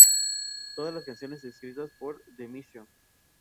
Todas las canciones escritas por The Mission.